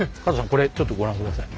これちょっとご覧下さい。